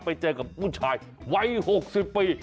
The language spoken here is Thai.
ไปเจอกับผู้ชายวัย๖๐ปี